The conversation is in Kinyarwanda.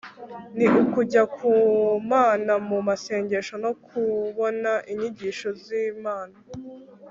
ni ukujya ku mana mu masengesho, no kubona inyigisho z'imana